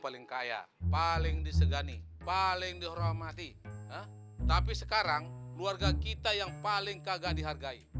paling kaya paling disegani paling dihormati tapi sekarang keluarga kita yang paling kagak dihargai